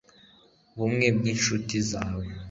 bumwe bw'incuti zawe